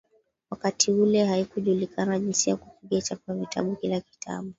Wakati ule haikujulikana jinsi ya kupiga chapa vitabu Kila kitabu